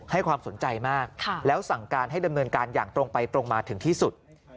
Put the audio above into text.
ให้ความสนใจมากแล้วสั่งการให้ดำเนินการอย่างตรงไปตรงมาถึงที่สุด